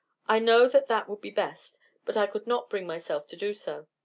I know that that would be best, but I could not bring myself to do so.